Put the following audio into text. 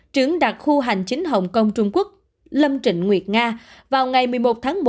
trưởng đặc khu hành chính hồng kông trung quốc lâm trịnh nguyệt nga vào ngày một mươi một tháng một